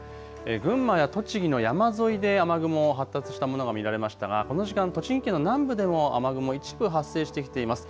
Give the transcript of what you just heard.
群馬や栃木の山沿いで雨雲、発達したものが見られましたが、この時間、栃木県の南部でも雨雲一部発生してきています。